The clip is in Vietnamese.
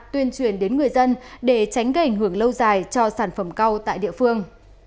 tuyên truyền đến người dân để tránh gây ảnh hưởng lâu dài cho sản phẩm cao tại địa phương